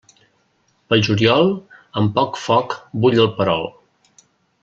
Pel juliol, amb poc foc bull el perol.